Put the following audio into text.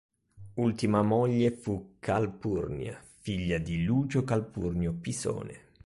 Ultima moglie fu Calpurnia, figlia di Lucio Calpurnio Pisone.